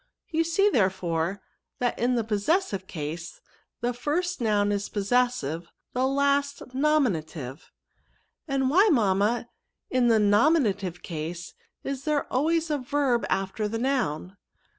You see, therefore, that in the posses* sive case, the first noun is possessive; the last, nominative." " And why, mamma, in the nominative case, is there always a verb after the noun?"